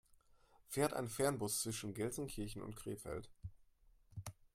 Fährt ein Fernbus zwischen Gelsenkirchen und Krefeld?